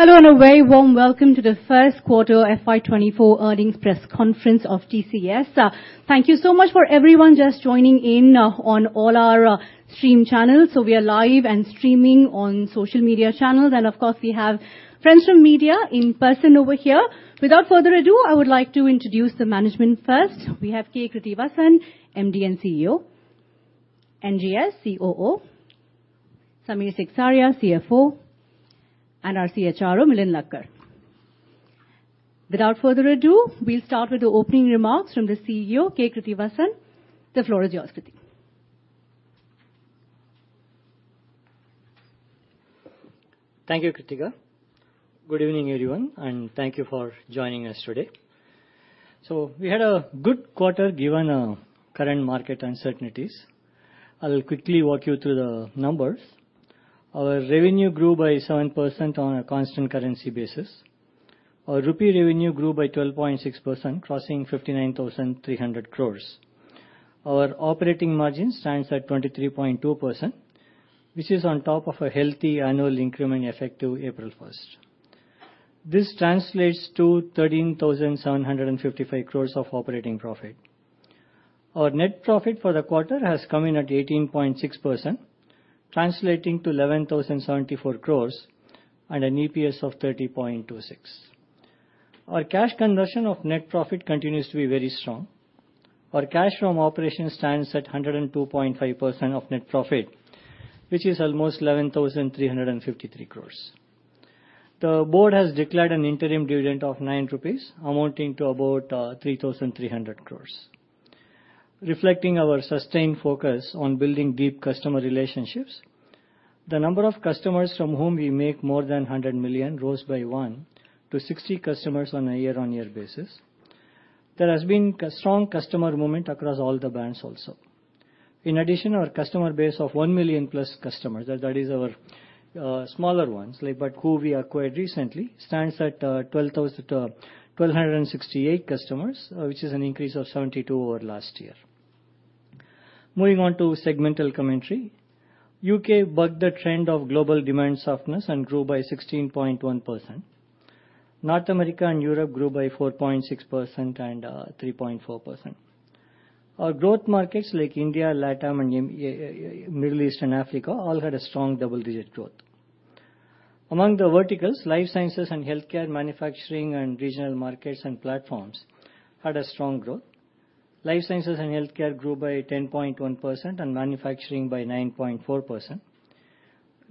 Hello, a very warm welcome to the First Quarter FY 2024 earnings press conference of TCS. Thank you so much for everyone just joining in on all our stream channels. We are live and streaming on social media channels, and of course, we have friends from media in person over here. Without further a do, I would like to introduce the management first. We have K. Krithivasan, MD and CEO, NGS, COO, Samir Seksaria, CFO, and our CHRO, Milind Lakkad. Without further ado, we'll start with the opening remarks from the CEO, K. Krithivasan. The floor is yours, Krithi. Thank you, Kritika. Good evening, everyone, and thank you for joining us today. We had a good quarter, given current market uncertainties. I'll quickly walk you through the numbers. Our revenue grew by 7% on a constant currency basis. Our rupee revenue grew by 12.6%, crossing 59,300 crore. Our operating margin stands at 23.2%, which is on top of a healthy annual increment effective April 1st. This translates to 13,755 crores of operating profit. Our net profit for the quarter has come in at 18.6%, translating to 11,074 crore and an EPS of 30.26. Our cash conversion of net profit continues to be very strong. Our cash from operations stands at 102.5% of net profit, which is almost 11,353 crore. The board has declared an interim dividend of 9 rupees, amounting to about 3,300 crore. Reflecting our sustained focus on building deep customer relationships, the number of customers from whom we make more than $100 million, rose by one, to 60 customers on a year-on-year basis. There has been a strong customer movement across all the brands also. In addition, our customer base of 1 million-plus customers, that is our smaller ones, like, but who we acquired recently, stands at 12,268 customers, which is an increase of 72 over last year. Moving on to segmental commentary. U.K. bucked the trend of global demand softness and grew by 16.1%. North America and Europe grew by 4.6% and 3.4%. Our growth markets like India, LATAM, and Middle East and Africa, all had a strong double-digit growth. Among the verticals, life sciences and healthcare, manufacturing and regional markets and platforms had a strong growth. Life sciences and healthcare grew by 10.1% and manufacturing by 9.4%.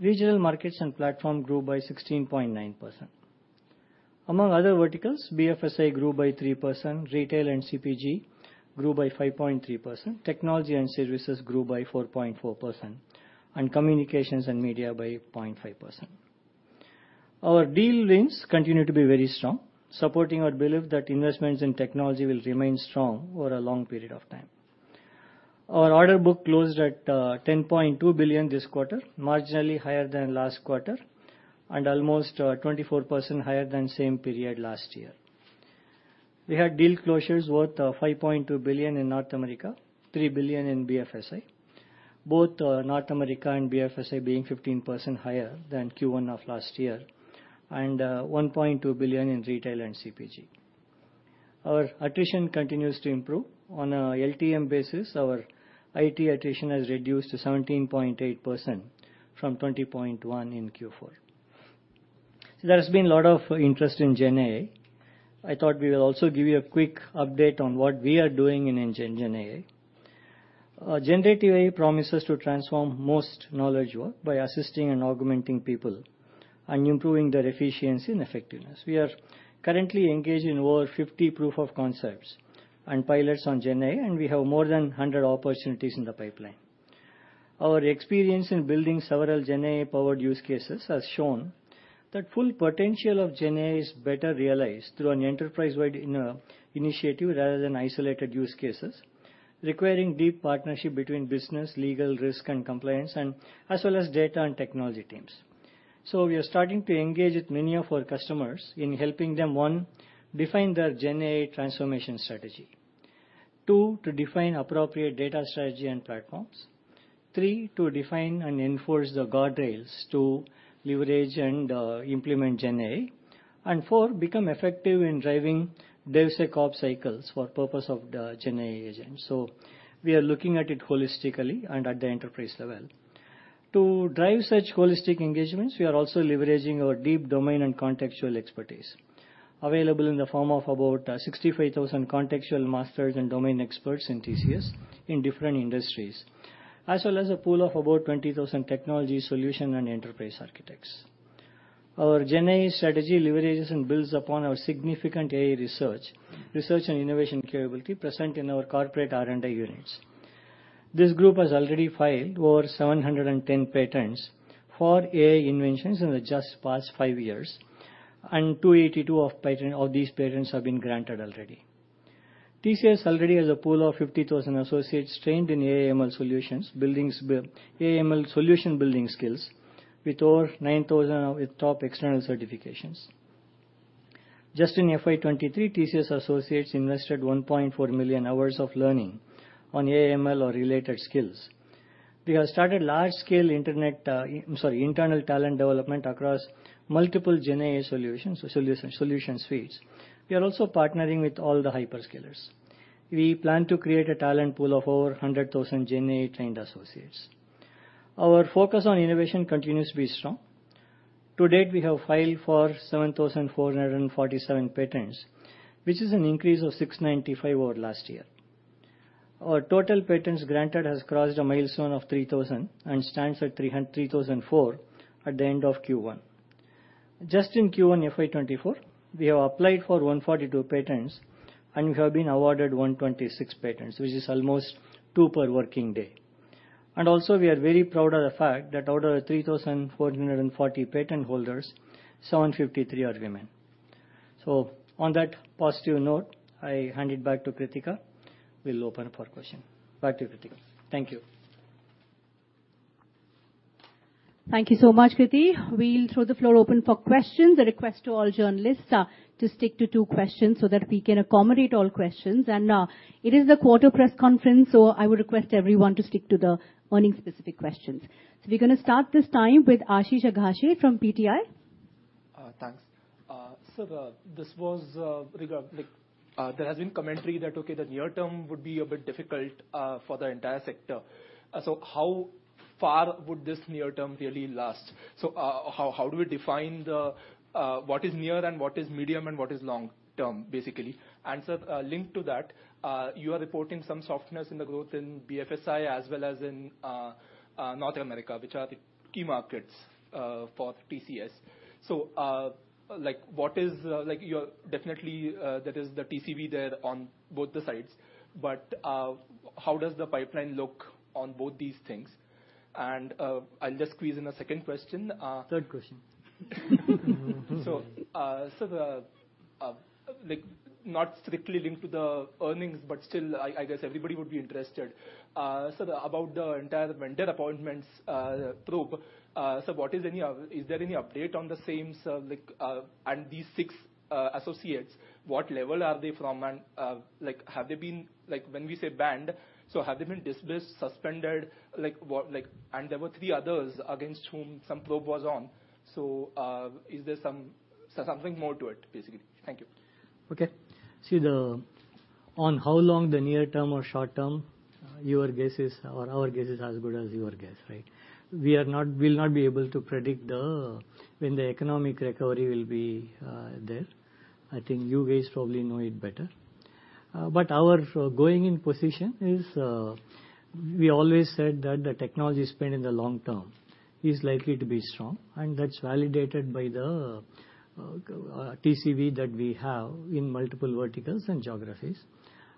Regional markets and platform grew by 16.9%. Among other verticals, BFSI grew by 3%, retail and CPG grew by 5.3%, technology and services grew by 4.4%, and communications and media by 0.5%. Our deal wins continue to be very strong, supporting our belief that investments in technology will remain strong over a long period of time. Our order book closed at $10.2 billion this quarter, marginally higher than last quarter and almost 24% higher than same period last year. We had deal closures worth $5.2 billion in North America, $3 billion in BFSI. Both North America and BFSI being 15% higher than Q1 of last year, and $1.2 billion in retail and CPG. Our attrition continues to improve. On a LTM basis, our IT attrition has reduced to 17.8% from 20.1% in Q4. There's been a lot of interest in GenAI. I thought we will also give you a quick update on what we are doing in GenAI. Generative AI promises to transform most knowledge work by assisting and augmenting people and improving their efficiency and effectiveness. We are currently engaged in over 50 proof of concepts and pilots on GenAI, and we have more than 100 opportunities in the pipeline. Our experience in building several GenAI-powered use cases has shown that full potential of GenAI is better realized through an enterprise-wide initiative, rather than isolated use cases, requiring deep partnership between business, legal, risk, and compliance, and as well as data and technology teams. We are starting to engage with many of our customers in helping them, one, define their GenAI transformation strategy. Two, to define appropriate data strategy and platforms. Three, to define and enforce the guardrails to leverage and implement GenAI. Four, become effective in driving DevSecOps cycles for purpose of the GenAI agent. We are looking at it holistically and at the enterprise level. To drive such holistic engagements, we are also leveraging our deep domain and contextual expertise, available in the form of about 65,000 contextual masters and domain experts in TCS in different industries, as well as a pool of about 20,000 technology solution and enterprise architects. Our GenAI strategy leverages and builds upon our significant AI research and innovation capability present in our corporate R&D units. This group has already filed over 710 patents for AI inventions in the just past five years, and 282 of these patents have been granted already. TCS already has a pool of 50,000 associates trained in AI-ML solutions, AI-ML solution building skills with over 9,000 with top external certifications. Just in FY 2023, TCS Associates invested 1.4 million hours of learning on AI-ML or related skills. We have started large-scale internet, I'm sorry, internal talent development across multiple GenAI solutions, so solution suites. We are also partnering with all the hyperscalers. We plan to create a talent pool of over 100,000 GenAI-trained associates. Our focus on innovation continues to be strong. To date, we have filed for 7,447 patents, which is an increase of 695 over last year. Our total patents granted has crossed a milestone of 3,000 and stands at 3,004 at the end of Q1. Just in Q1 FY 2024, we have applied for 142 patents, and we have been awarded 126 patents, which is almost two per working day. Also, we are very proud of the fact that out of the 3,440 patent holders, 753 are women. On that positive note, I hand it back to Kritika. We'll open for question. Back to you, Kritika. Thank you. Thank you so much, Krithi. We'll throw the floor open for questions. A request to all journalists, to stick to two questions so that we can accommodate all questions. It is the quarter press conference, I would request everyone to stick to the earnings-specific questions. We're gonna start this time with Ashish Agashe from PTI. Thanks. This was, like, there has been commentary that, okay, the near term would be a bit difficult for the entire sector. How far would this near term really last? How do we define what is near and what is medium and what is long term, basically? Sir, linked to that, you are reporting some softness in the growth in BFSI as well as in North America, which are the key markets for TCS. Like, you're definitely, that is the TCV there on both the sides, but how does the pipeline look on both these things? I'll just squeeze in a second question. Third question. The, like, not strictly linked to the earnings, but still, I guess everybody would be interested. About the entire vendor appointments, probe, is there any update on the same, sir? Like, these six, associates, what level are they from? Like, have they been... Like, when we say banned, so have they been dismissed, suspended? Like, what, and there were three others against whom some probe was on. Is there some, something more to it, basically? Thank you. Okay. See, on how long the near term or short term, your guess is or our guess is as good as your guess, right? We'll not be able to predict when the economic recovery will be there. I think you guys probably know it better. Our going in position is, we always said that the technology spend in the long term is likely to be strong, and that's validated by the TCV that we have in multiple verticals and geographies.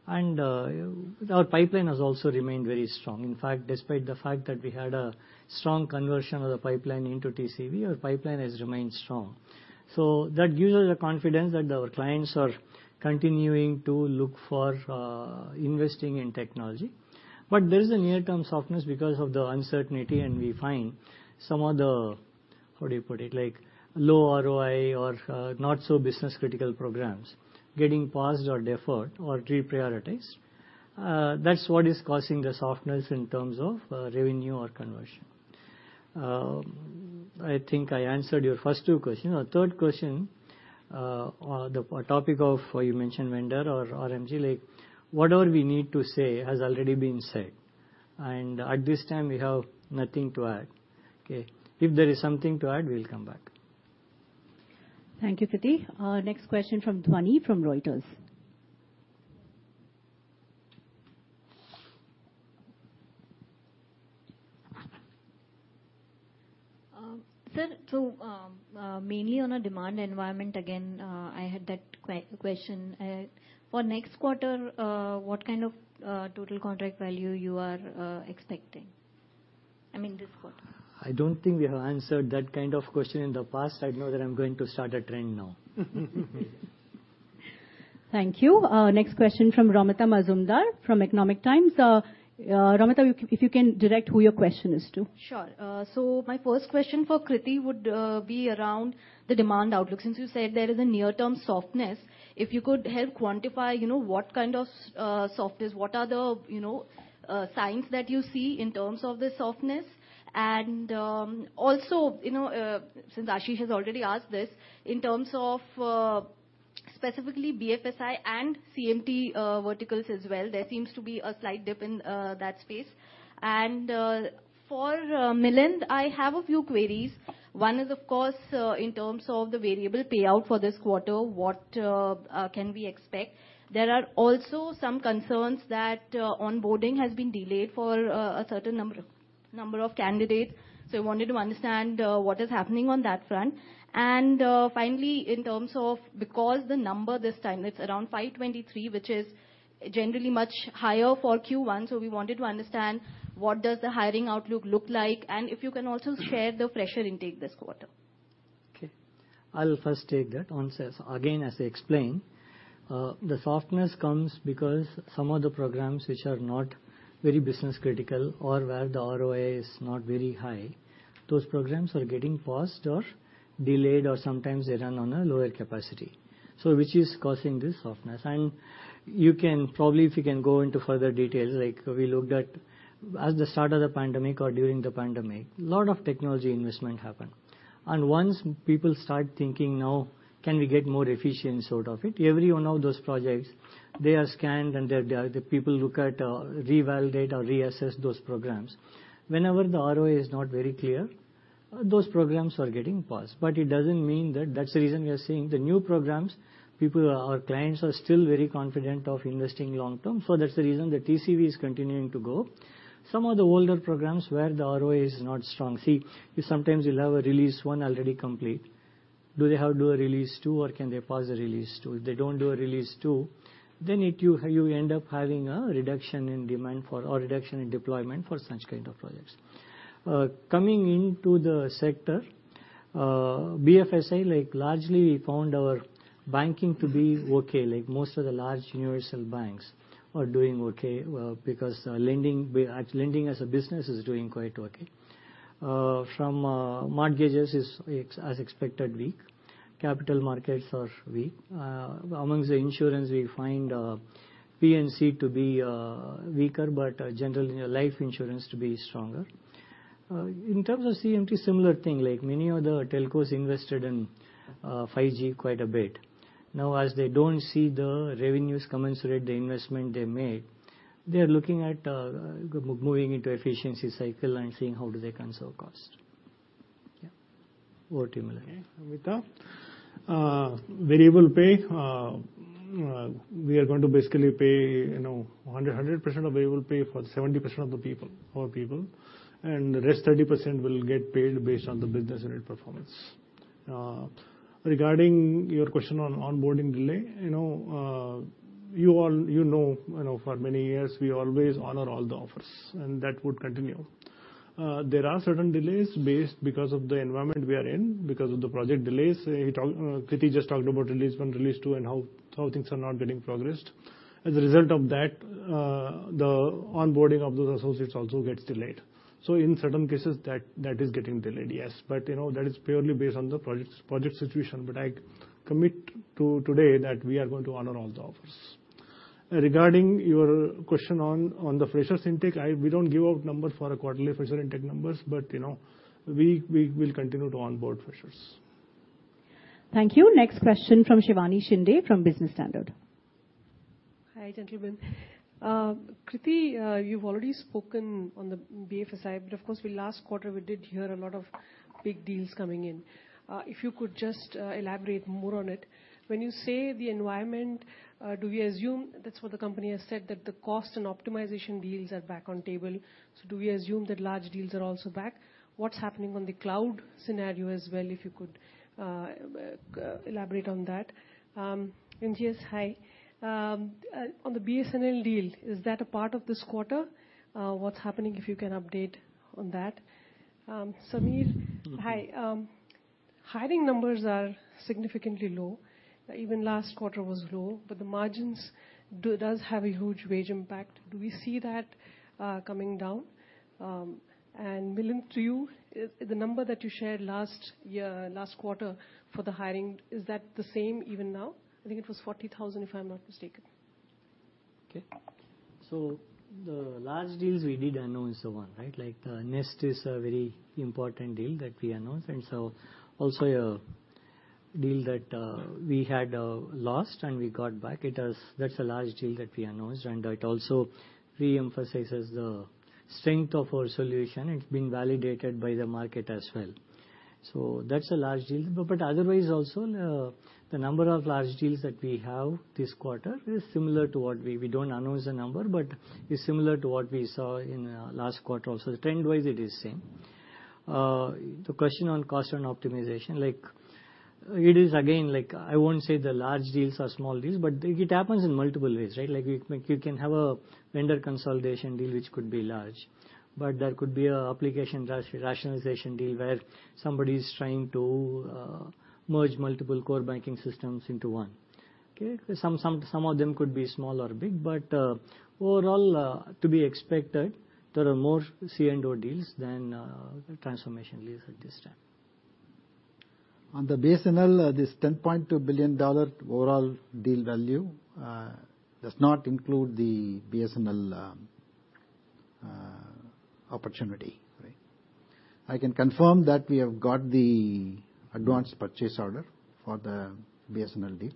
Our pipeline has also remained very strong. In fact, despite the fact that we had a strong conversion of the pipeline into TCV, our pipeline has remained strong. That gives us the confidence that our clients are continuing to look for investing in technology. There is a near-term softness because of the uncertainty, and we find some of the, how do you put it? Like, low ROI or not-so-business-critical programs getting paused or deferred or reprioritized. That's what is causing the softness in terms of revenue or conversion. I think I answered your first two question. Our third question on the topic of you mentioned vendor or OEMs, like, whatever we need to say has already been said, and at this time, we have nothing to add. Okay. If there is something to add, we'll come back. Thank you, Kirti. next question from Dhwani, from Reuters. Sir, mainly on a demand environment, again, I had that question for next quarter, what kind of total contract value you are expecting? I mean, this quarter. I don't think we have answered that kind of question in the past. I know that I'm going to start a trend now. Thank you. next question from Romita Majumdar, from The Economic Times. Romita, if you can direct who your question is to. Sure. My first question for Kriti would be around the demand outlook. Since you said there is a near-term softness, if you could help quantify, you know, what kind of softness, what are the, you know, signs that you see in terms of the softness? Also, you know, since Ashish has already asked this, in terms of specifically BFSI and CMT verticals as well, there seems to be a slight dip in that space. For Milind, I have a few queries. One is, of course, in terms of the variable payout for this quarter, what can we expect? There are also some concerns that onboarding has been delayed for a certain number of candidates. I wanted to understand what is happening on that front. Finally, Because the number this time, it's around 523, which is generally much higher for Q1. We wanted to understand what does the hiring outlook look like, and if you can also share the fresher intake this quarter. Okay, I'll first take that. Once again, as I explained, the softness comes because some of the programs which are not very business critical or where the ROI is not very high, those programs are getting paused or delayed, or sometimes they run on a lower capacity, which is causing this softness. Probably, if you can go into further details, like we looked at the start of the pandemic or during the pandemic, a lot of technology investment happened. Once people start thinking, "Now, can we get more efficiency out of it?" Every one of those projects, they are scanned and the people look at or revalidate or reassess those programs. Whenever the ROI is not very clear, those programs are getting paused. It doesn't mean that that's the reason we are seeing the new programs. People, our clients are still very confident of investing long-term, that's the reason the TCV is continuing to go. Some of the older programs where the ROI is not strong. See, if sometimes you'll have a release one already complete, do they do a release two or can they pause the release two? If they don't do a release two, it you end up having a reduction in demand for or reduction in deployment for such kind of projects. Coming into the sector, BFSI, like, largely we found our banking to be okay, like, most of the large universal banks are doing okay, because lending as a business is doing quite okay. From mortgages is as expected, weak. Capital markets are weak. Amongst the insurance, we find P&C to be weaker, but general life insurance to be stronger. In terms of CMT, similar thing, like many of the telcos invested in 5G quite a bit. Now, as they don't see the revenues commensurate the investment they made, they are looking at moving into efficiency cycle and seeing how do they conserve cost. Yeah. Over to you, Milind. Okay, Amita. Variable pay, we are going to basically pay, you know, 100% of variable pay for 70% of the people, our people, and the rest 30% will get paid based on the business unit performance. Regarding your question on onboarding delay, you know, for many years, we always honor all the offers, and that would continue. There are certain delays based because of the environment we are in, because of the project delays. Kriti just talked about release one, release two, and how things are not getting progressed. As a result of that, the onboarding of those associates also gets delayed. In certain cases, that is getting delayed, yes. You know, that is purely based on the project situation, but I commit to today that we are going to honor all the offers. Regarding your question on the freshers intake, we don't give out numbers for a quarterly fresher intake numbers, but, you know, we will continue to onboard freshers. Thank you. Next question from Shivani Shinde from Business Standard. Hi, gentlemen. Kriti, you've already spoken on the BFSI, but of course, we last quarter, we did hear a lot of big deals coming in. If you could just elaborate more on it. When you say the environment, do we assume? That's what the company has said, that the cost and optimization deals are back on table, so do we assume that large deals are also back? What's happening on the cloud scenario as well, if you could elaborate on that? NGS, hi. On the BSNL deal, is that a part of this quarter? What's happening, if you can update on that? Samir- Mm. Hi. Hiring numbers are significantly low. Even last quarter was low, the margins does have a huge wage impact. Do we see that coming down? Milind, to you, the number that you shared last year, last quarter for the hiring, is that the same even now? I think it was 40,000, if I'm not mistaken. Okay. The large deals we did announce the one, right? The NEST is a very important deal that we announced, also a deal that we had lost and we got back. That's a large deal that we announced, and it also re-emphasizes the strength of our solution. It's been validated by the market as well. That's a large deal. Otherwise, also, the number of large deals that we have this quarter is similar to what we. We don't announce the number, but it's similar to what we saw in last quarter. Also, trend-wise, it is same. The question on cost and optimization, it is again, I won't say the large deals or small deals, but it happens in multiple ways, right? Like, you can have a vendor consolidation deal which could be large, but there could be a application rationalization deal where somebody is trying to merge multiple core banking systems into one. Okay? Some of them could be small or big, but overall, to be expected, there are more C&O deals than transformation deals at this time. On the BSNL, this $10.2 billion overall deal value does not include the BSNL opportunity, right? I can confirm that we have got the advanced purchase order for the BSNL deal.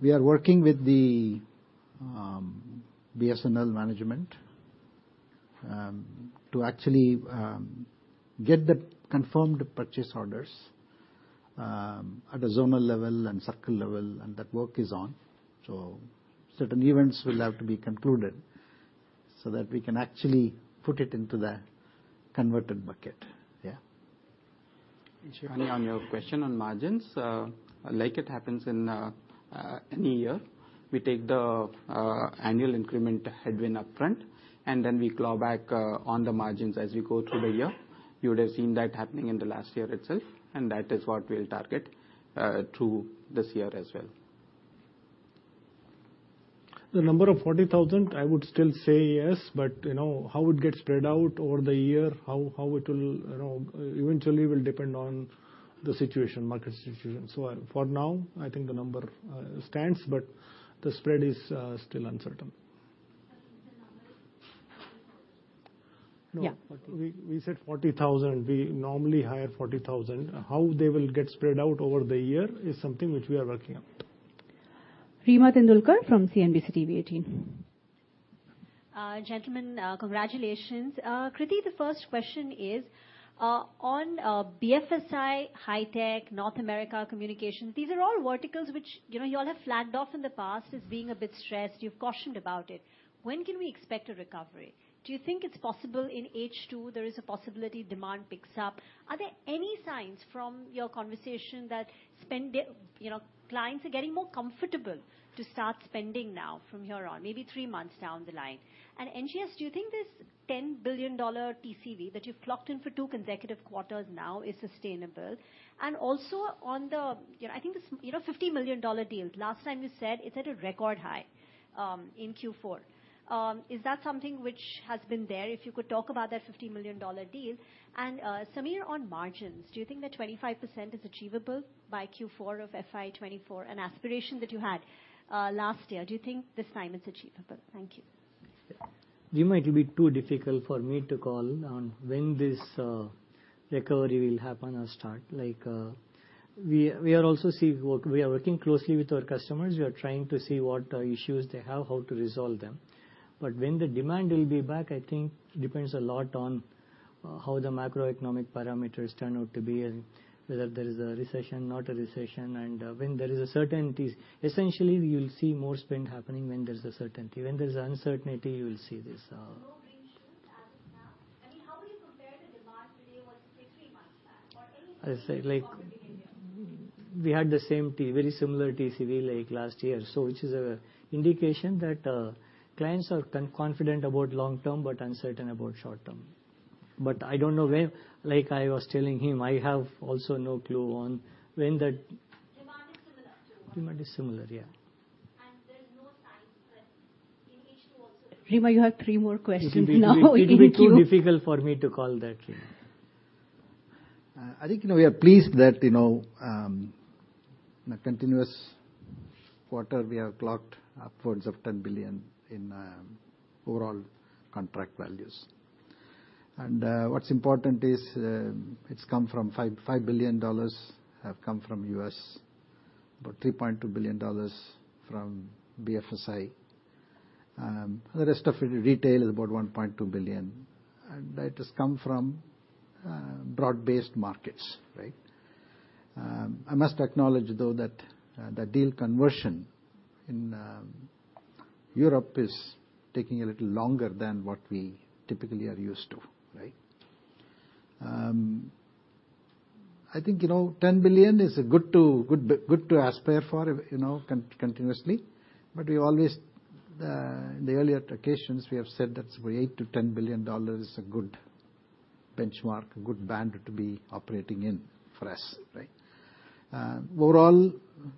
We are working with the BSNL management to actually get the confirmed purchase orders at a zonal level and circle level, and that work is on. Certain events will have to be concluded so that we can actually put it into the converted bucket. Yeah. On your question on margins, like it happens in. We take the annual increment headwind upfront, and then we claw back on the margins as we go through the year. You would have seen that happening in the last year itself, and that is what we'll target through this year as well. The number of 40,000, I would still say yes, but, you know, how it gets spread out over the year, how it will, you know, eventually will depend on the situation, market situation. For now, I think the number stands, but the spread is still uncertain. Yeah. We said 40,000. We normally hire 40,000. How they will get spread out over the year is something which we are working on. Reema Tendulkar from CNBC-TV18. Gentlemen, congratulations. Krithi, the first question is on BFSI, high tech, North America, communication, these are all verticals which, you know, you all have flagged off in the past as being a bit stressed. You've cautioned about it. When can we expect a recovery? Do you think it's possible in H2, there is a possibility demand picks up? Are there any signs from your conversation that, you know, clients are getting more comfortable to start spending now from here on, maybe three months down the line? NGS, do you think this $10 billion TCV that you've clocked in for 2 consecutive quarters now is sustainable? Also on the, you know, I think this, you know, $50 million deal, last time you said it's at a record high in Q4. Is that something which has been there? If you could talk about that $50 million deal. Samir, on margins, do you think that 25% is achievable by Q4 of FY 2024, an aspiration that you had last year? Do you think this time it's achievable? Thank you. We might be too difficult for me to call on when this recovery will happen or start. We are working closely with our customers. We are trying to see what issues they have, how to resolve them. When the demand will be back, I think depends a lot on how the macroeconomic parameters turn out to be and whether there is a recession, not a recession, and when there is a certainties. Essentially, you'll see more spend happening when there is a certainty. When there is uncertainty, you will see this. No green shoots as of now? I mean, how would you compare the demand today versus 60 months back or any- I say, like- Mm-hmm. We had the same very similar TCV like last year, which is a indication that clients are confident about long term, but uncertain about short term. I don't know where. Like I was telling him, I have also no clue on when the- Demand is similar to. Demand is similar, yeah. There's no signs that in H2 also. Reema, you have three more questions now. It will be too difficult for me to call that, yeah. I think, you know, we are pleased that in a continuous quarter, we have clocked upwards of $10 billion in overall contract values. What's important is it's come from $5 billion have come from U.S., about $3.2 billion from BFSI. The rest of it, retail, is about $1.2 billion, and that has come from broad-based markets, right? I must acknowledge, though, that the deal conversion in Europe is taking a little longer than what we typically are used to, right? I think, you know, $10 billion is good to aspire for continuously. We always in the earlier occasions, we have said that $8 billion-$10 billion is a good benchmark, a good band to be operating in for us, right? Overall,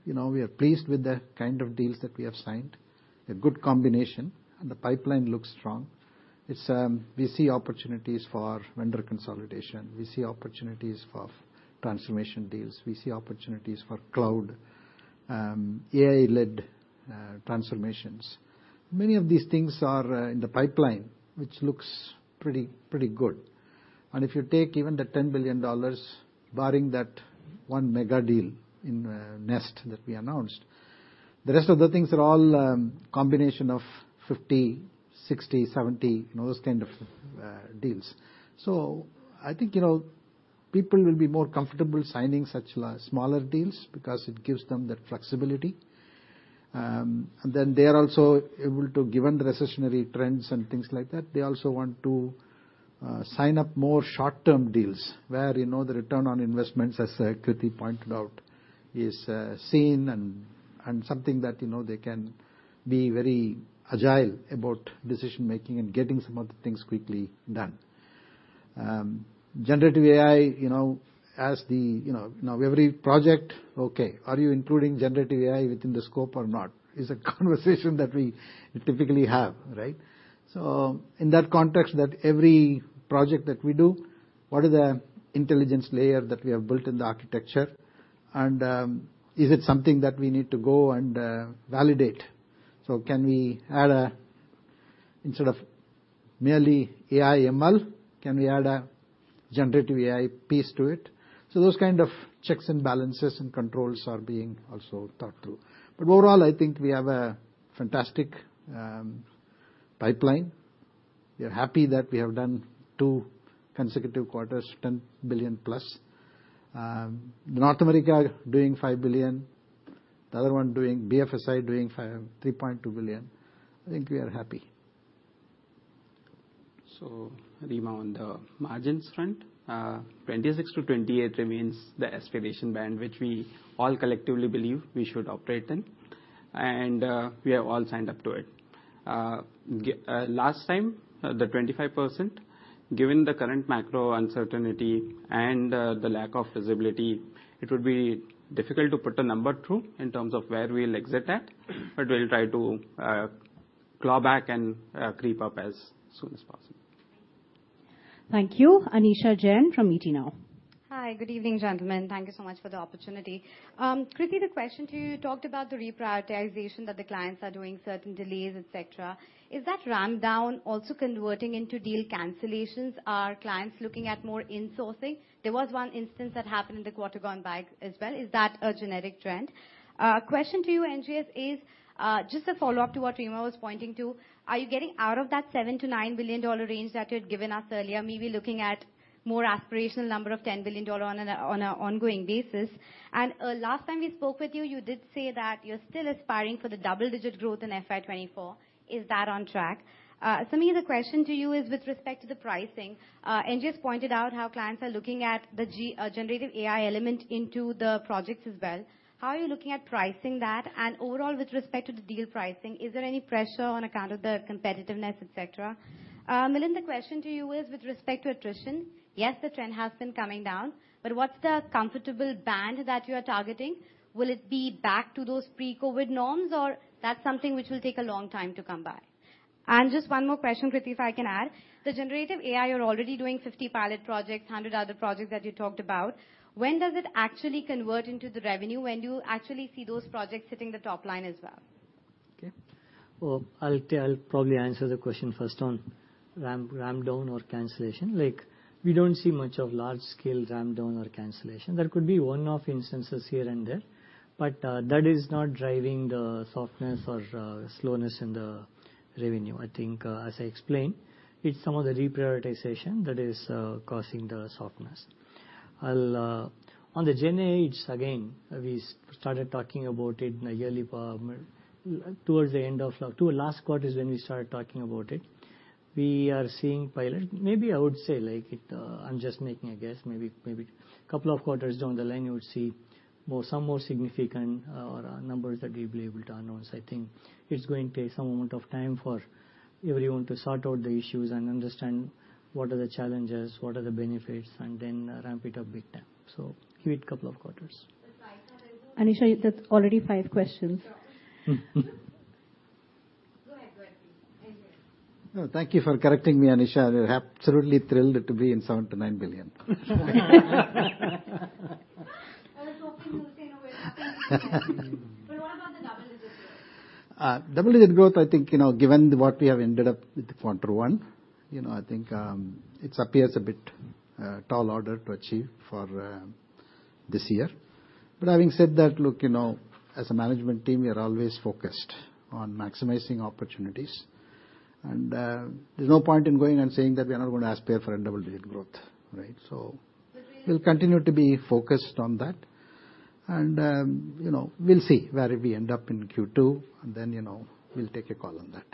you know, we are pleased with the kind of deals that we have signed, a good combination, and the pipeline looks strong. It's, we see opportunities for vendor consolidation. We see opportunities for transformation deals. We see opportunities for cloud, AI-led, transformations. Many of these things are in the pipeline, which looks pretty good. If you take even the $10 billion, barring that one mega deal in Nest, that we announced, the rest of the things are all combination of 50, 60, 70, you know, those kind of deals. I think, you know, people will be more comfortable signing such smaller deals because it gives them that flexibility. And then they are also able to, given the recessionary trends and things like that, they also want to sign up more short-term deals where, you know, the return on investments, as Krithi pointed out, is seen and something that, you know, they can be very agile about decision-making and getting some of the things quickly done. Generative AI, you know, as the, you know, now every project, okay, are you including generative AI within the scope or not? Is a conversation that we typically have, right? In that context, that every project that we do, what is the intelligence layer that we have built in the architecture? Is it something that we need to go and validate? Can we add, instead of merely AI-ML, can we add a generative AI piece to it? Those kind of checks and balances and controls are being also thought through. Overall, I think we have a fantastic pipeline. We are happy that we have done two consecutive quarters, $10 billion plus. North America doing $5 billion, BFSI doing $3.2 billion. I think we are happy. Reema, on the margins front, 26%-28% remains the aspiration band, which we all collectively believe we should operate in, and we have all signed up to it. Last time, the 25%, given the current macro uncertainty and the lack of visibility, it would be difficult to put a number through in terms of where we'll exit at, but we'll try to claw back and creep up as soon as possible. Thank you. Anisha Jain from ET Now. Hi, good evening, gentlemen. Thank you so much for the opportunity. Quickly, the question to you talked about the reprioritization that the clients are doing certain delays, etc.. Is that ramp down also converting into deal cancellations? Are clients looking at more insourcing? There was one instance that happened in the quarter gone by as well. Is that a genetic trend? Question to you, NGS, is just a follow-up to what Reema was pointing to. Are you getting out of that $7 billion-$9 billion range that you'd given us earlier, maybe looking at more aspirational number of $10 billion on an ongoing basis? Last time we spoke with you did say that you're still aspiring for the double-digit growth in FY 20`24. Is that on track? Samir, the question to you is with respect to the pricing. NGS pointed out how clients are looking at the generative AI element into the projects as well. How are you looking at pricing that? Overall, with respect to the deal pricing, is there any pressure on account of the competitiveness, etc.? Milind, the question to you is with respect to attrition. Yes, the trend has been coming down, but what's the comfortable band that you are targeting? Will it be back to those pre-COVID norms, or that's something which will take a long time to come by? Just one more question, Krithi, if I can add. The generative AI, you're already doing 50 pilot projects, 100 other projects that you talked about. When does it actually convert into the revenue? When do you actually see those projects hitting the top line as well? Okay. Well, I'll tell, I'll probably answer the question first on ramp down or cancellation. Like, we don't see much of large-scale ramp down or cancellation. There could be one-off instances here and there, but that is not driving the softness or slowness in the revenue. I think, as I explained, it's some of the reprioritization that is causing the softness. I'll on the GenAIs, again, we started talking about it in the yearly power. Last quarter is when we started talking about it. We are seeing pilot. Maybe I would say, like, it, I'm just making a guess, maybe couple of quarters down the line, you will see more, some more significant numbers that we'll be able to announce. I think it's going to take some amount of time for everyone to sort out the issues and understand what are the challenges, what are the benefits, and then ramp it up big time. Give it a couple of quarters. Anisha, that's already five questions. Go ahead, go ahead. Thank you for correcting me, Anisha. We're absolutely thrilled to be in $7 billion-$9 billion. I was hoping you would say no, we're happy. What about the double-digit growth? Double-digit growth, I think, you know, given what we have ended up with the Q1, you know, I think, it appears a bit, tall order to achieve for, this year. Having said that, look, you know, as a management team, we are always focused on maximizing opportunities, and, there's no point in going and saying that we are not going to aspire for a double-digit growth, right? But we- We'll continue to be focused on that. You know, we'll see where we end up in Q2, you know, we'll take a call on that.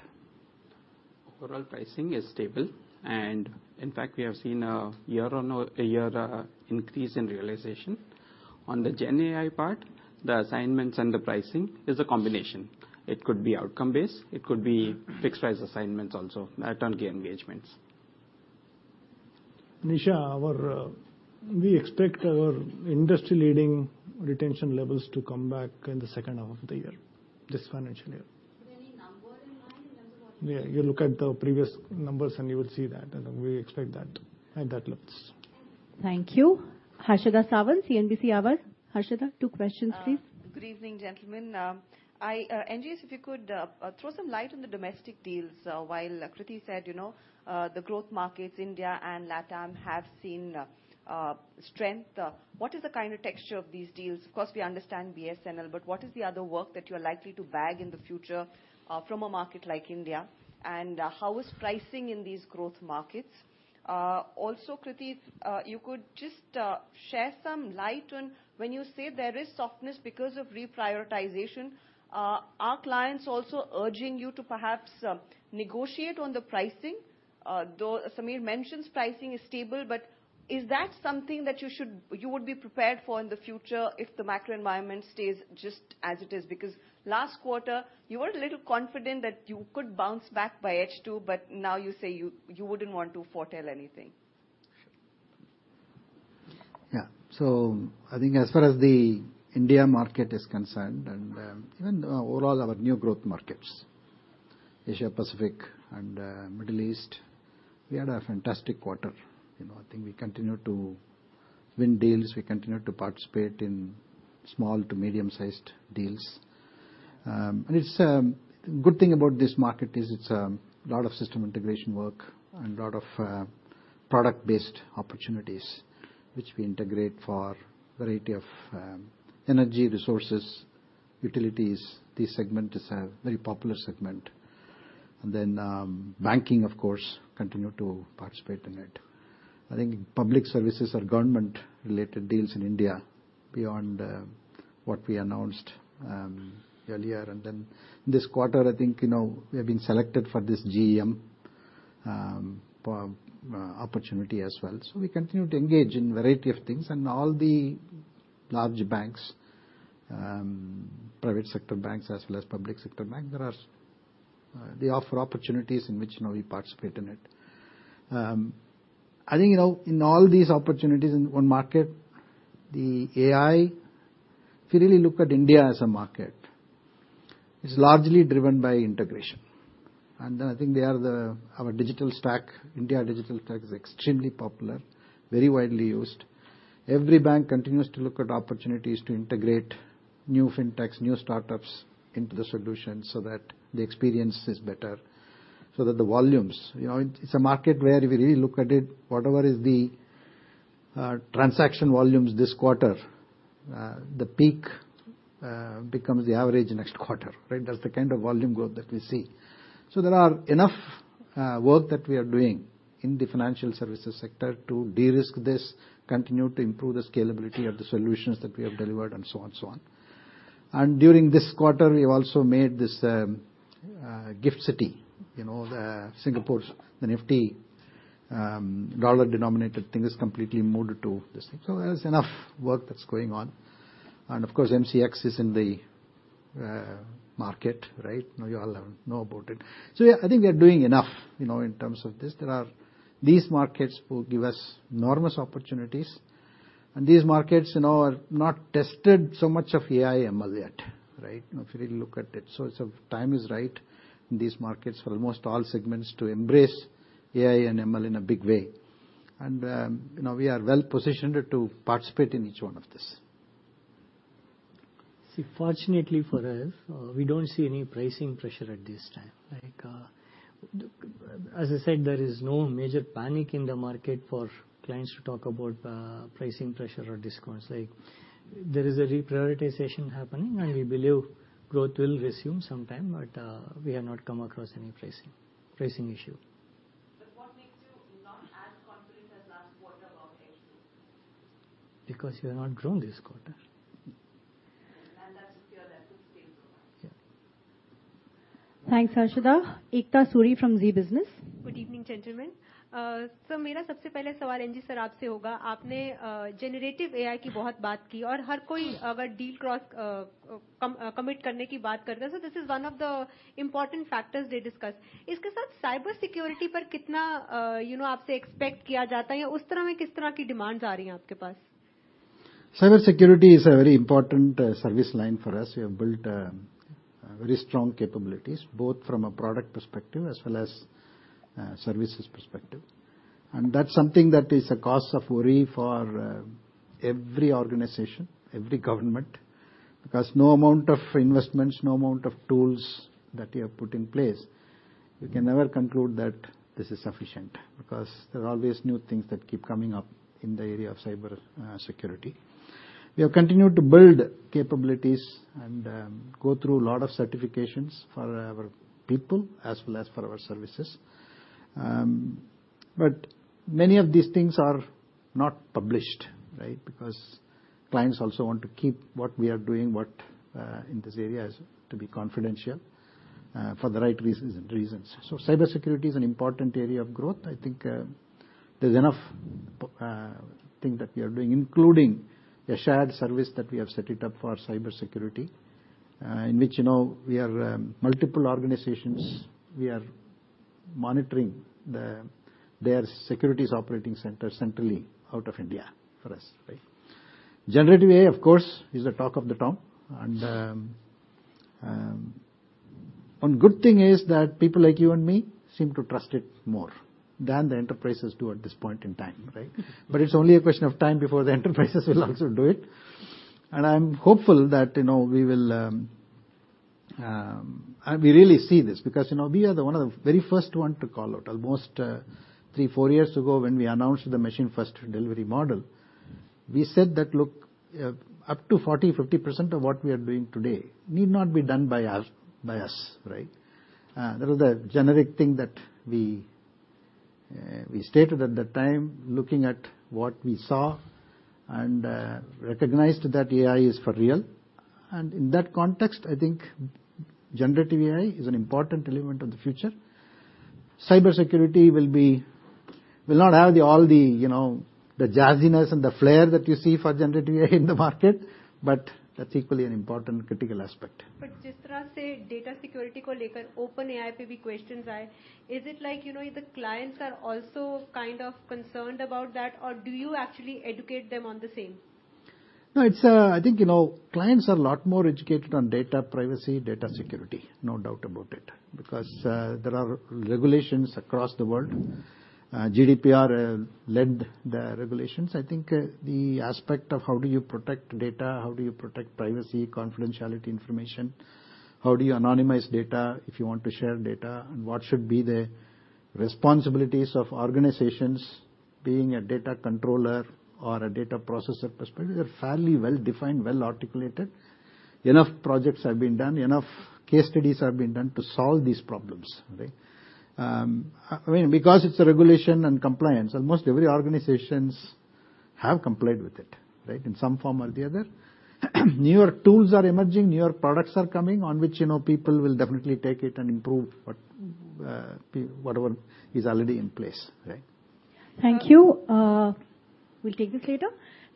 Overall, pricing is stable, and in fact, we have seen a year-over-year increase in realization. On the GenAI part, the assignments and the pricing is a combination. It could be outcome-based, it could be fixed price assignments also, turnkey engagements. Anisha, we expect our industry-leading retention levels to come back in the second half of the year, this financial year. Is there any number in mind in terms of what. Yeah, you look at the previous numbers, and you will see that, and we expect that, at that levels. Thank you. Harshada Sawant, CNBC Awaaz. Harshada, two questions, please. Good evening, gentlemen. I, NGS, if you could throw some light on the domestic deals, while Kriti said, you know, the growth markets, India and LATAM, have seen strength. What is the kind of texture of these deals? Of course, we understand BSNL, what is the other work that you are likely to bag in the future from a market like India, and how is pricing in these growth markets? Kriti, you could just shed some light on when you say there is softness because of reprioritization, are clients also urging you to perhaps negotiate on the pricing? Samir mentions pricing is stable, is that something that you would be prepared for in the future if the macro environment stays just as it is? Last quarter, you were a little confident that you could bounce back by H2, but now you say you wouldn't want to foretell anything. Yeah. I think as far as the India market is concerned, even overall, our new growth markets, Asia Pacific and Middle East, we had a fantastic quarter. You know, I think we continue to win deals, we continue to participate in small to medium-sized deals. It's good thing about this market is it's a lot of system integration work and a lot of product-based opportunities, which we integrate for a variety of energy resources, utilities. This segment is a very popular segment. Banking, of course, continue to participate in it. I think public services or government-related deals in India beyond what we announced earlier. This quarter, I think, you know, we have been selected for this GeM for opportunity as well. We continue to engage in a variety of things, and all the large banks, private sector banks as well as public sector bank, they offer opportunities in which, you know, we participate in it. I think, you know, in all these opportunities in one market, the AI, if you really look at India as a market, it's largely driven by integration. Then I think our digital stack, India digital stack is extremely popular, very widely used. Every bank continues to look at opportunities to integrate new FinTech's, new startups into the solution so that the experience is better, so that the volumes... You know, it's a market where if you really look at it, whatever is the transaction volumes this quarter, the peak becomes the average next quarter, right? That's the kind of volume growth that we see. There are enough work that we are doing in the financial services sector to de-risk this, continue to improve the scalability of the solutions that we have delivered and so on and so on. During this quarter, we have also made this Gift City, you know, the Singapore's, the nifty dollar-denominated thing is completely moved to this thing. There's enough work that's going on. Of course, MCX is in the market, right? Now, you all know about it. I think we are doing enough, you know, in terms of this. There are these markets who give us enormous opportunities, and these markets, you know, are not tested so much of AI-ML yet, right? If you really look at it. It's a time is right in these markets for almost all segments to embrace AI and ML in a big way. you know, we are well positioned to participate in each one of this. See, fortunately for us, we don't see any pricing pressure at this time. Like, as I said, there is no major panic in the market for clients to talk about, pricing pressure or discounts. Like, there is a reprioritization happening, and we believe growth will resume sometime, but, we have not come across any pricing issue. What makes you not as confident as last quarter about H2? We have not grown this quarter. That's your level scale growth. Yeah. Thanks, Harshada. Ekta Suri from Zee Business. Good evening, gentlemen. sir, "..." NGS sir, "..." generative AI, "...," talk about deal cross, commit, "....". This is one of the important factors they discuss. "..." cybersecurity, you know, expect, "..." demand? Cybersecurity is a very important service line for us. We have built very strong capabilities, both from a product perspective as well as services perspective. That's something that is a cause of worry for every organization, every government, because no amount of investments, no amount of tools that you have put in place, you can never conclude that this is sufficient, because there are always new things that keep coming up in the area of cybersecurity. We have continued to build capabilities and go through a lot of certifications for our people as well as for our services. Many of these things are not published, right? Because clients also want to keep what we are doing, what in this area is to be confidential for the right reasons and reasons. Cybersecurity is an important area of growth. I think, there's enough thing that we are doing, including a shared service that we have set it up for cybersecurity, in which, you know, we are multiple organizations, we are monitoring their securities operating center centrally out of India for us, right? Generative AI, of course, is the talk of the town. One good thing is that people like you and me seem to trust it more than the enterprises do at this point in time, right? It's only a question of time before the enterprises will also do it. I'm hopeful that, you know, we will. We really see this because, you know, we are the one of the very first one to call it. Almost three, four years ago, when we announced the Machine First Delivery Model, we said that, "Look, up to 40%, 50% of what we are doing today need not be done by us," right? That was a generic thing that we stated at that time, looking at what we saw and recognized that AI is for real. In that context, I think generative AI is an important element of the future. Cybersecurity will not have the, all the, you know, the jazziness and the flair that you see for generative AI in the market, but that's equally an important critical aspect. Data security, OpenAI, questions are, is it like, you know, the clients are also kind of concerned about that, or do you actually educate them on the same? No, it's, I think, you know, clients are a lot more educated on data privacy, data security, no doubt about it, because there are regulations across the world. GDPR led the regulations. I think, the aspect of how do you protect data, how do you protect privacy, confidentiality information, how do you anonymize data if you want to share data, and what should be the responsibilities of organizations being a data controller or a data processor perspective, they're fairly well-defined, well-articulated. Enough projects have been done, enough case studies have been done to solve these problems, right? I mean, because it's a regulation and compliance, almost every organizations have complied with it, right? In some form or the other. Newer tools are emerging, newer products are coming, on which, you know, people will definitely take it and improve whatever is already in place, right? Thank you. We'll take this later.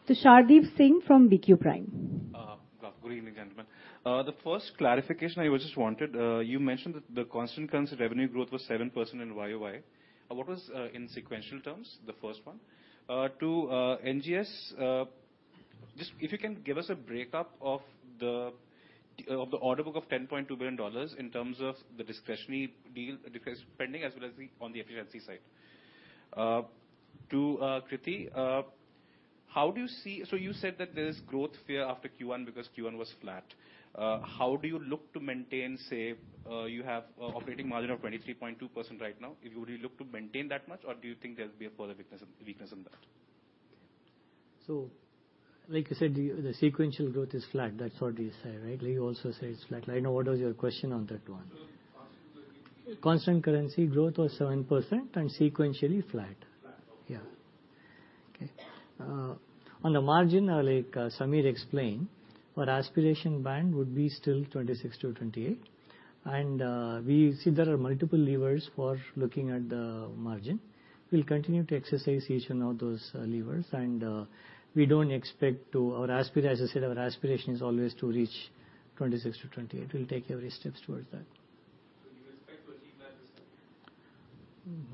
Tushar Deep Singh from BQ Prime. Good evening, gentlemen. The first clarification I just wanted, you mentioned that the constant currency revenue growth was 7% in YOY. What was in sequential terms, the first one? To NGS, just if you can give us a breakup of the order book of $10.2 billion in terms of the discretionary deal, spending, as well as on the efficiency side. To Kriti, you said that there is growth fear after Q1 because Q1 was flat. How do you look to maintain, say, you have operating margin of 23.2% right now, would you look to maintain that much, or do you think there'll be a further weakness on that? Like I said, the sequential growth is flat. That's what you say, right? You also say it's flat. I know, what was your question on that one? Constant currency. Constant currency growth was 7% and sequentially flat. Flat, okay. Yeah. Okay. on the margin, like Samir explained, our aspiration band would be still 26%-28%. We see there are multiple levers for looking at the margin. We'll continue to exercise each one of those levers, and Our aspiration, as I said, our aspiration is always to reach 26%-28%. We'll take every steps towards that. Do you expect to achieve that this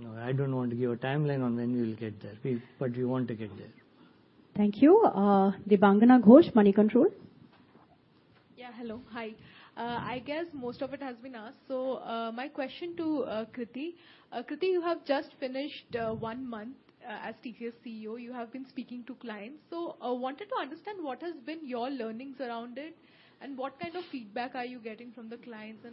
year? No, I don't want to give a timeline on when we will get there, but we want to get there. Thank you. Debangana Ghosh, Moneycontrol. Yeah, hello. Hi. I guess most of it has been asked. My question to Krithi. Krithi, you have just finished one month as TCS CEO. You have been speaking to clients. Wanted to understand what has been your learnings around it, and what kind of feedback are you getting from the clients?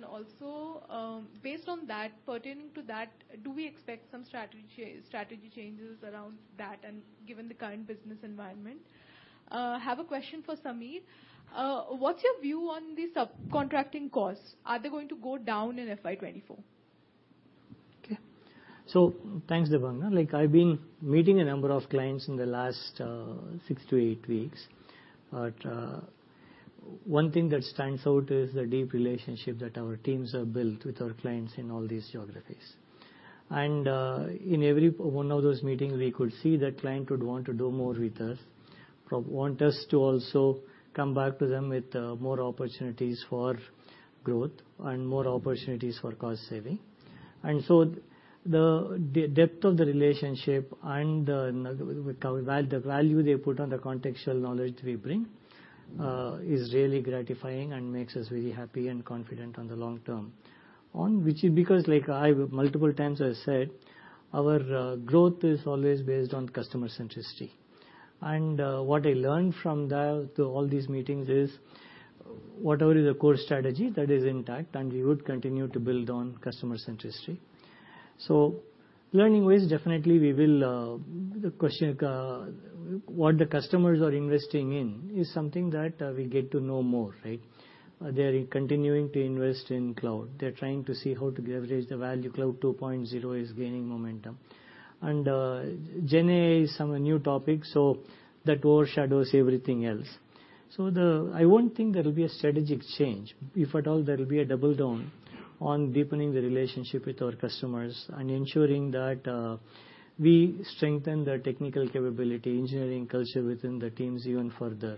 Based on that, pertaining to that, do we expect some strategy changes around that and given the current business environment? Have a question for Samir. What's your view on the subcontracting costs? Are they going to go down in FY 2024? Okay. Thanks, Debangana. Like, I've been meeting a number of clients in the last six to eight weeks, but one thing that stands out is the deep relationship that our teams have built with our clients in all these geographies. In every one of those meetings, we could see that client would want to do more with us, want us to also come back to them with more opportunities for growth and more opportunities for cost saving. The depth of the relationship and the value they put on the contextual knowledge we bring is really gratifying and makes us really happy and confident on the long term. On which, because, like I multiple times I said, our growth is always based on customer centricity. What I learned from all these meetings is whatever is the core strategy, that is intact, and we would continue to build on customer centricity. Learning-wise, definitely we will, the question, what the customers are investing in is something that we get to know more, right? They are continuing to invest in cloud. They're trying to see how to leverage the value. Cloud 2.0 is gaining momentum. GenAI is a new topic, so that overshadows everything else. I won't think there will be a strategic change. If at all, there will be a double down on deepening the relationship with our customers and ensuring that we strengthen the technical capability, engineering culture within the teams even further,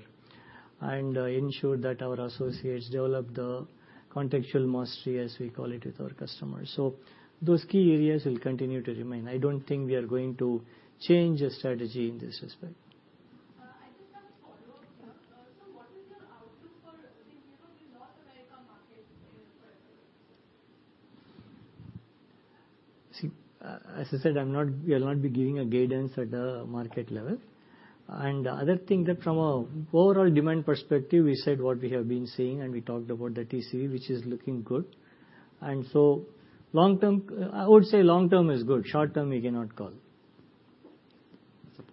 and ensure that our associates develop the contextual mastery, as we call it, with our customers. Those key areas will continue to remain. I don't think we are going to change the strategy in this respect. I just have a follow-up here. What is your outlook for, I think North America market for everything? See, as I said, we are not be giving a guidance at the market level. The other thing, that from a overall demand perspective, we said what we have been seeing, and we talked about the TCV, which is looking good. Long term, I would say long term is good, short term, we cannot call.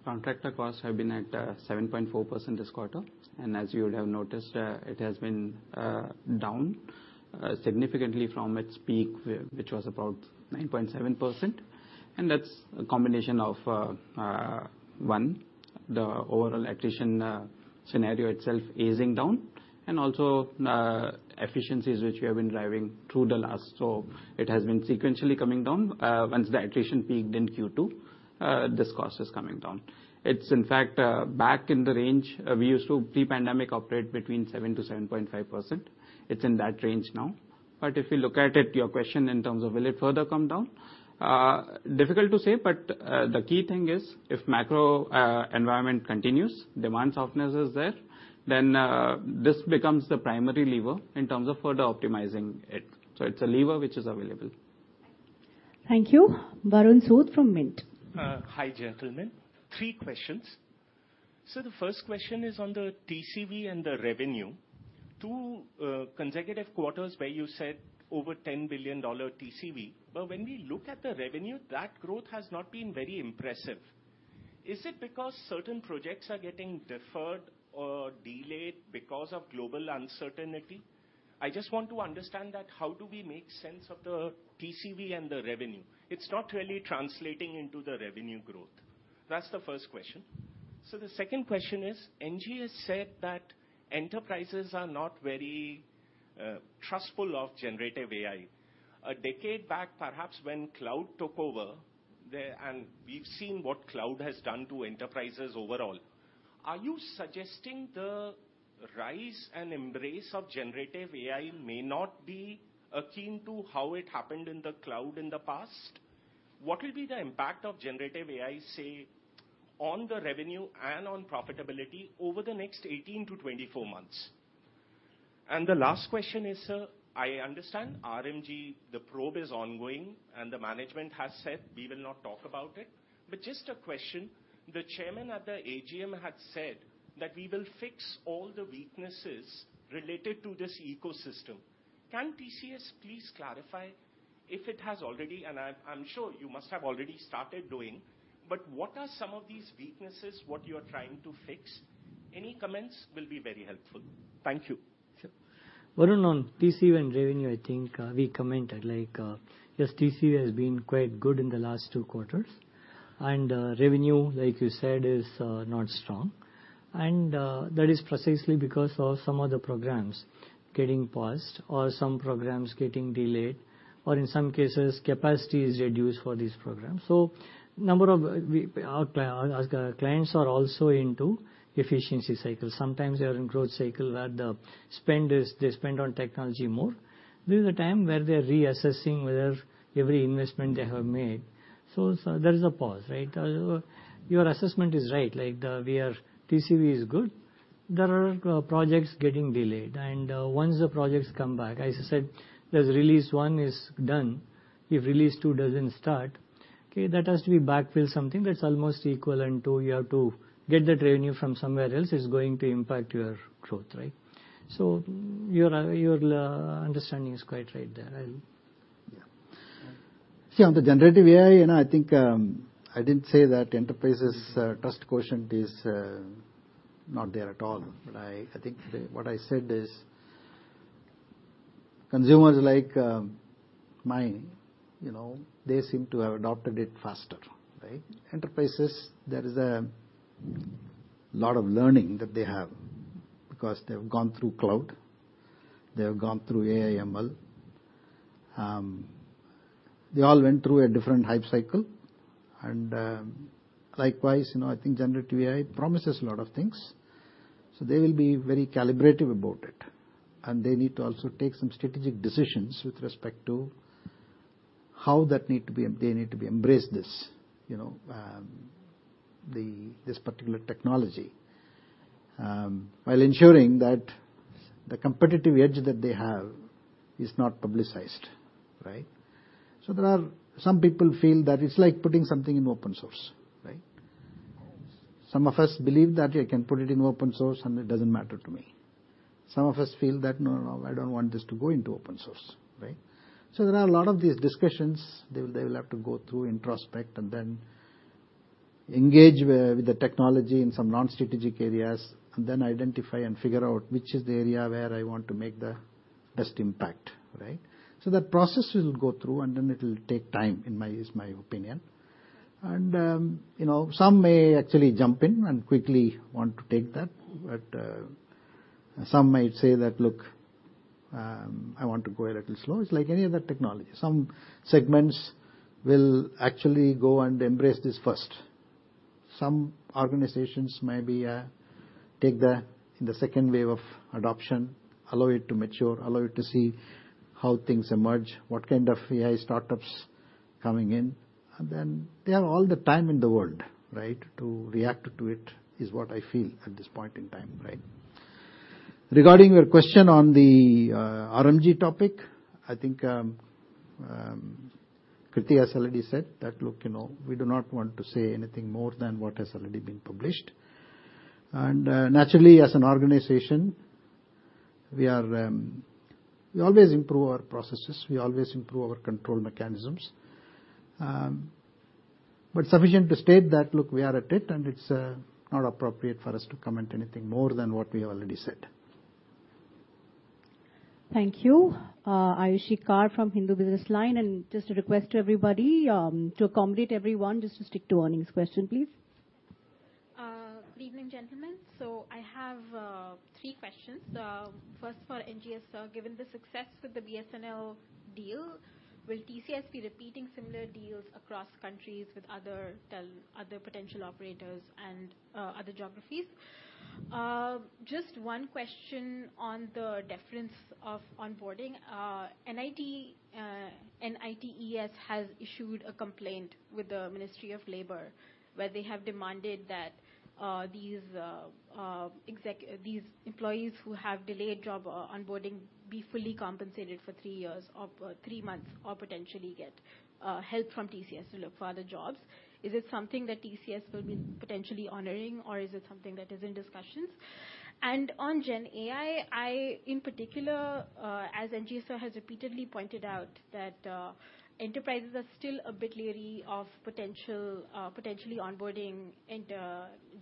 Contractor costs have been at 7.4% this quarter, and as you would have noticed, it has been down significantly from its peak, which was about 9.7%. That's a combination of one, the overall attrition scenario itself easing down, and also efficiencies, which we have been driving through the last. It has been sequentially coming down. Once the attrition peaked in Q2, this cost is coming down. It's in fact back in the range we used to, pre-pandemic, operate between 7%-7.5%. It's in that range now. If you look at it, your question in terms of, will it further come down? Difficult to say. The key thing is, if macro environment continues, demand softness is there, then this becomes the primary lever in terms of further optimizing it. It's a lever which is available. Thank you. Varun Sood from Mint. Hi, gentlemen. Three questions. The first question is on the TCV and the revenue. Two consecutive quarters where you said over $10 billion TCV, but when we look at the revenue, that growth has not been very impressive. Is it because certain projects are getting deferred or delayed because of global uncertainty? I just want to understand that, how do we make sense of the TCV and the revenue? It's not really translating into the revenue growth. That's the first question. The second question is, NG has said that enterprises are not very trustful of generative AI. A decade back, perhaps when cloud took over, and we've seen what cloud has done to enterprises overall. Are you suggesting the rise and embrace of generative AI may not be akin to how it happened in the cloud in the past? What will be the impact of generative AI, say, on the revenue and on profitability over the next 18-24 months? The last question is, sir, I understand RMG, the probe is ongoing, and the management has said, "We will not talk about it." Just a question, the chairman at the AGM had said that we will fix all the weaknesses related to this ecosystem. Can TCS please clarify if it has already, and I'm sure you must have already started doing, but what are some of these weaknesses, what you are trying to fix? Any comments will be very helpful. Thank you. Varun, on TCV and revenue, I think we commented, like, yes, TCV has been quite good in the last 2 quarters, and revenue, like you said, is not strong. That is precisely because of some of the programs getting paused or some programs getting delayed, or in some cases, capacity is reduced for these programs. Number of our clients are also into efficiency cycle. Sometimes they are in growth cycle, where the spend is, they spend on technology more. This is a time where they are reassessing whether every investment they have made. There is a pause, right? Your assessment is right, like we are TCV is good. There are projects getting delayed, once the projects come back, I said, there's release one is done. If release two doesn't start, okay, that has to be backfilled something that's almost equivalent to you have to get that revenue from somewhere else, it's going to impact your growth, right? Your, your understanding is quite right there. Yeah. See, on the generative AI, you know, I think, I didn't say that enterprises, trust quotient is not there at all. I think what I said is, consumers like mine, you know, they seem to have adopted it faster, right? Enterprises, there is a lot of learning that they have, because they've gone through cloud, they have gone through AI-ML. They all went through a different hype cycle, likewise, you know, I think generative AI promises a lot of things, they will be very calibrative about it. They need to also take some strategic decisions with respect to how that need to be they need to be embraced this, you know, this particular technology. While ensuring that the competitive edge that they have is not publicized, right? There are some people feel that it's like putting something in open source, right? Some of us believe that I can put it in open source, and it doesn't matter to me. Some of us feel that, "No, no, I don't want this to go into open source," right? There are a lot of these discussions they will have to go through, introspect, and then engage with the technology in some non-strategic areas, and then identify and figure out which is the area where I want to make the best impact, right? That process will go through, and then it'll take time, is my opinion. You know, some may actually jump in and quickly want to take that, but some might say that, "Look, I want to go a little slow." It's like any other technology. Some segments will actually go and embrace this first. Some organizations may be, take the, in the second wave of adoption, allow it to mature, allow it to see how things emerge, what kind of AI startups coming in, and then they have all the time in the world, right, to react to it, is what I feel at this point in time, right? Regarding your question on the RMG topic, I think Kriti has already said that, "Look, you know, we do not want to say anything more than what has already been published." Naturally, as an organization, we are. We always improve our processes, we always improve our control mechanisms. Sufficient to state that, look, we are at it, and it's not appropriate for us to comment anything more than what we already said. Thank you. Ayushi Kar from Hindu Business Line, and just a request to everybody, to accommodate everyone, just to stick to earnings question, please. Good evening, gentlemen. I have three questions. First for NGS, sir. Given the success with the BSNL deal, will TCS be repeating similar deals across countries with other potential operators and other geographies? Just one question on the deference of onboarding. NITIE has issued a complaint with the Ministry of Labor, where they have demanded that these employees who have delayed job or onboarding, be fully compensated for three years or three months, or potentially get help from TCS to look for other jobs. Is this something that TCS will be potentially honoring, or is it something that is in discussions? On GenAI, I, in particular, as NGS has repeatedly pointed out, that enterprises are still a bit leery of potential, potentially onboarding into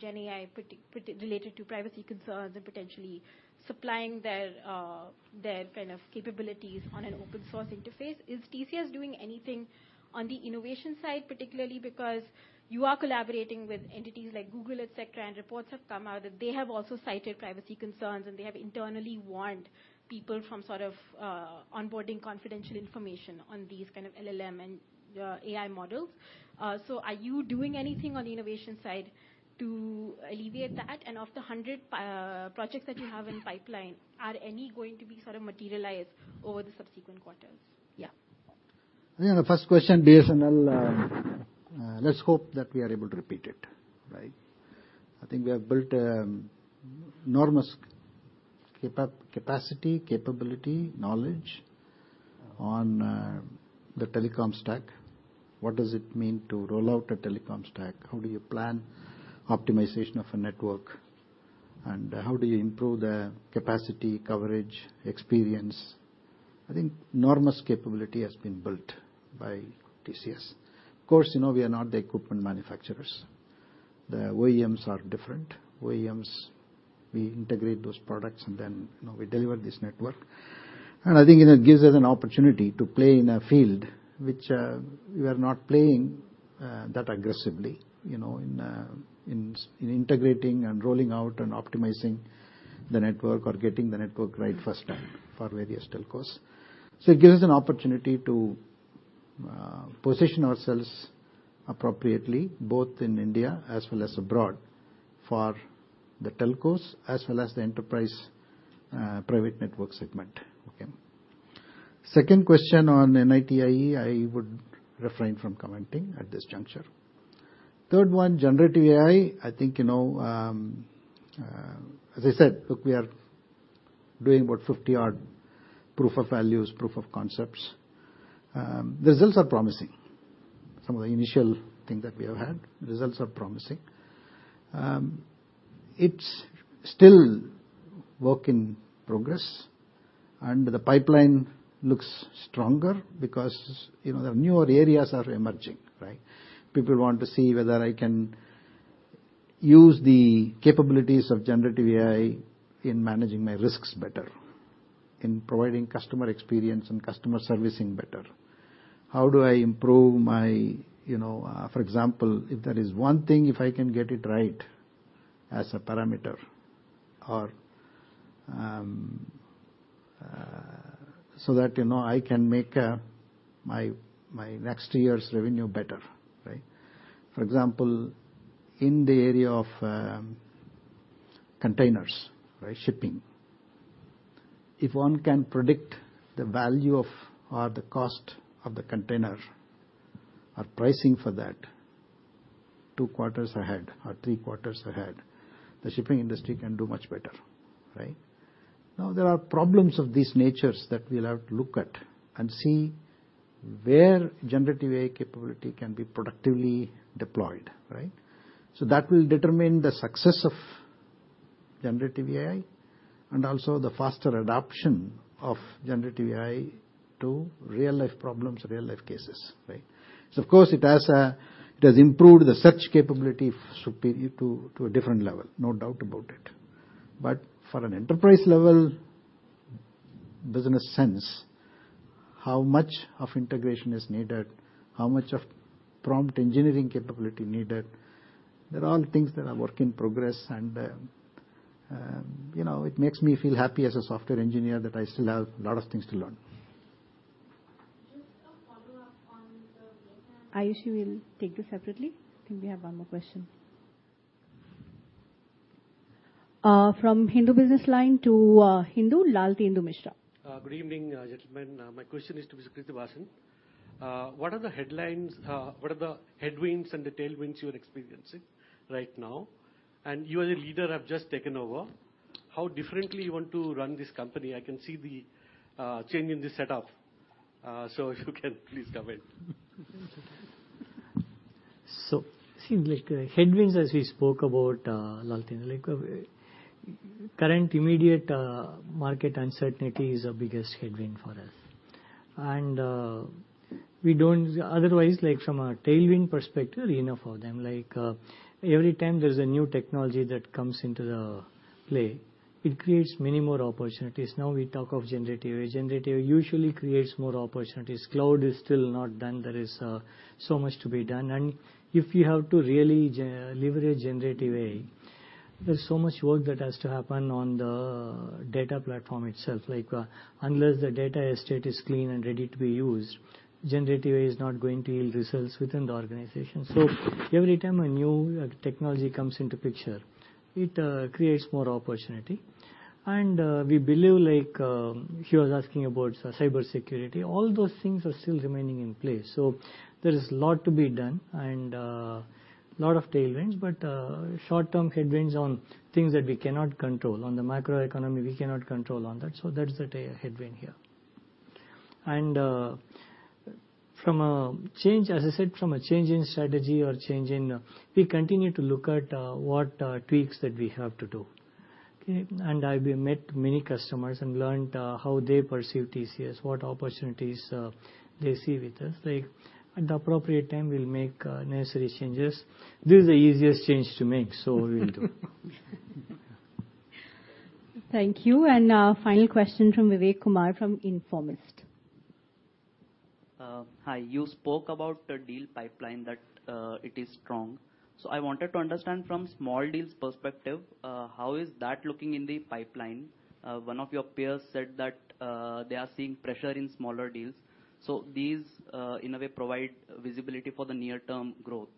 GenAI, part related to privacy concerns and potentially supplying their kind of capabilities on an open source interface. Is TCS doing anything on the innovation side, particularly because you are collaborating with entities like Google, et cetera, and reports have come out that they have also cited privacy concerns, and they have internally warned people from sort of, onboarding confidential information on these kind of LLM and, AI models. Are you doing anything on the innovation side to alleviate that? Of the 100 projects that you have in pipeline, are any going to be sort of materialized over the subsequent quarters? Yeah. I think the first question, BSNL, let's hope that we are able to repeat it, right? I think we have built enormous capacity, capability, knowledge on the telecom stack. What does it mean to roll out a telecom stack? How do you plan optimization of a network, and how do you improve the capacity, coverage, experience? I think enormous capability has been built by TCS. Of course, you know, we are not the equipment manufacturers. The OEMs are different. OEMs, we integrate those products, and then, you know, we deliver this network. I think, you know, it gives us an opportunity to play in a field which we are not playing that aggressively, you know, in integrating and rolling out and optimizing the network or getting the network right first time for various telcos. It gives us an opportunity to position ourselves appropriately, both in India as well as abroad, for the telcos as well as the enterprise private network segment. Okay. Second question on NITIE, I would refrain from commenting at this juncture. Third one, Generative AI, I think, you know, as I said, look, we are doing about 50 odd proof of values, proof of concepts. The results are promising. Some of the initial things that we have had, results are promising. It's still work in progress, the pipeline looks stronger because, you know, the newer areas are emerging, right? People want to see whether I can use the capabilities of Generative AI in managing my risks better, in providing customer experience and customer servicing better. How do I improve my... You know, for example, if there is one thing, if I can get it right as a parameter or, so that, you know, I can make my next year's revenue better, right? For example, in the area of containers, right, shipping. If one can predict the value of or the cost of the container or pricing for that two quarters ahead or three quarters ahead, the shipping industry can do much better, right? There are problems of these natures that we'll have to look at and see where generative AI capability can be productively deployed, right? That will determine the success of generative AI and also the faster adoption of generative AI to real-life problems, real-life cases, right? Of course, it has improved the search capability, superior to a different level, no doubt about it. For an enterprise-level business sense, how much of integration is needed, how much of prompt engineering capability needed? They're all things that are work in progress, and, you know, it makes me feel happy as a software engineer that I still have a lot of things to learn. Just a follow-up on the. Aishu will take this separately. I think we have one more question from The Hindu Business Line to Hindu, Lalatendu Mishra. Good evening, gentlemen. My question is to Mr. Krithivasan. What are the headwinds and the tailwinds you are experiencing right now? You, as a leader, have just taken over, how differently you want to run this company? I can see the change in this setup. If you can please comment. It seems like the headwinds, as we spoke about, Lalatendu, like current immediate market uncertainty is the biggest headwind for us. Otherwise, like from a tailwind perspective, enough of them, like every time there's a new technology that comes into the play, it creates many more opportunities. Now, we talk of generative AI. Generative usually creates more opportunities. Cloud is still not done. There is so much to be done. If you have to really leverage generative AI, there's so much work that has to happen on the data platform itself. Unless the data estate is clean and ready to be used, generative AI is not going to yield results within the organization. Every time a new technology comes into picture, it creates more opportunity. We believe, like, he was asking about cybersecurity. All those things are still remaining in place, so there is a lot to be done and a lot of tailwinds, but short-term headwinds on things that we cannot control, on the macroeconomy, we cannot control on that. That's the headwind here. From a change, as I said, from a change in strategy or change in, we continue to look at what tweaks that we have to do, okay? I've met many customers and learned how they perceive TCS, what opportunities they see with us. Like, at the appropriate time, we'll make necessary changes. This is the easiest change to make, so we will do it. Thank you. Our final question from Vivek Kumar, from Informist. Hi. You spoke about the deal pipeline, that it is strong. I wanted to understand from small deals perspective, how is that looking in the pipeline? One of your peers said that they are seeing pressure in smaller deals. These, in a way, provide visibility for the near-term growth.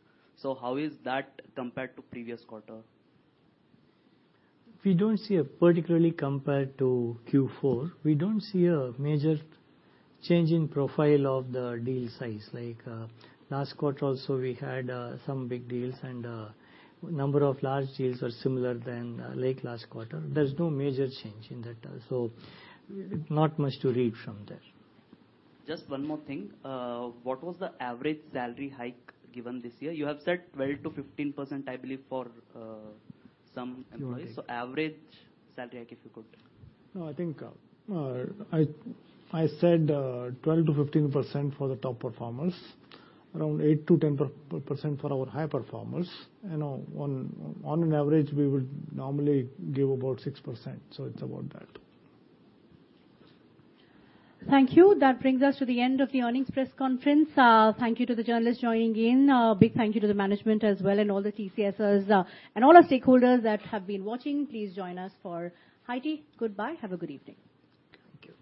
How is that compared to previous quarter? We don't see particularly compared to Q4, we don't see a major change in profile of the deal size. Like last quarter also, we had some big deals, and number of large deals are similar than like last quarter. There's no major change in that, so not much to read from there. Just one more thing. What was the average salary hike given this year? You have said 12%-15%, I believe, for some employees. Correct. Average salary hike, if you could. No, I think, I said, 12%-15% for the top performers, around 8%-10% for our high performers, and on an average, we would normally give about 6%, so it's about that. Thank you. That brings us to the end of the earnings press conference. Thank you to the journalists joining in. A big thank you to the management as well, and all the TCSers. And all our stakeholders that have been watching, please join us for high tea. Goodbye. Have a good evening. Thank you.